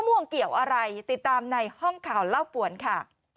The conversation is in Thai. ม่วงเกี่ยวอะไรติดตามในห้องข่าวเล่าป่วนค่ะ